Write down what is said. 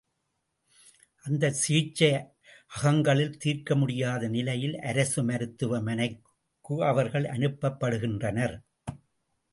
அந்தச் சிகிச்சை அகங்களில் தீர்க்க முடியாத நிலையில் அரசு மருத்துவ மனைக்கு அவர்கள் அனுப்பப்படுகின்றனர்.